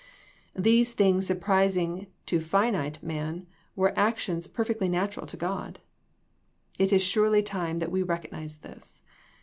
Those things surprising to finite men were actions perfectly natural to God. It is surely time that we recognize this.